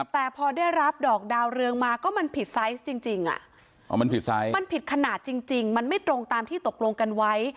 แต่พอได้รับดอกดาวเรืองมาก็มันผิดไซส์จริงมันผิดขนาดจริงมันไม่ตรงตามที่ตกลงกันไว้